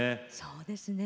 そうですね